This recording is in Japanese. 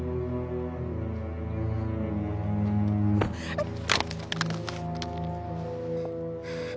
あっ！